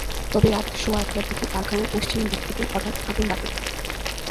তবে রাত সোয়া একটার দিকে কারখানার পশ্চিম দিক থেকে হঠাত্ আগুন বাড়তে থাকে।